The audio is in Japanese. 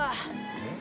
えっ？